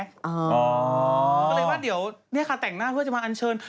ก็เลยว่าเดี๋ยวเนี่ยค่ะแต่งหน้าเพื่อจะมาอัญเชิญ